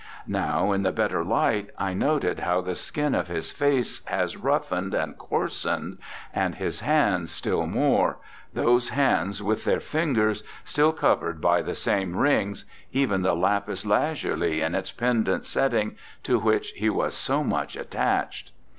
Now, in the better light, I note how the skin of his face has roughened and coarsened, and his hands still more, those hands with their fingers still covered by the same rings, even the lapis lazuli in its pendant setting, to which he was so much at tached.